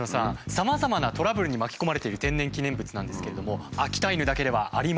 さまざまなトラブルに巻き込まれている天然記念物なんですけれども秋田犬だけではありません。